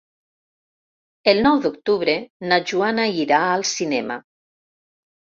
El nou d'octubre na Joana irà al cinema.